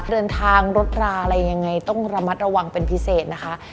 เดินทางรถราอะไรยังไงต้องระมัดระวังเป็นพิเศษนะคะ